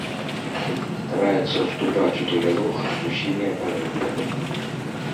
Стараецца ўступаць у дыялог з усімі апанентамі.